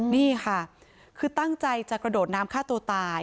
นี่ค่ะคือตั้งใจจะกระโดดน้ำฆ่าตัวตาย